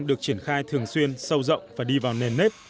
được triển khai thường xuyên sâu rộng và đi vào nền nếp